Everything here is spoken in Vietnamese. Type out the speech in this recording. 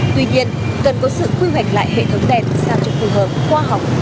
tuy nhiên cần có sự quy hoạch lại hệ thống đèn sang trực phù hợp khoa học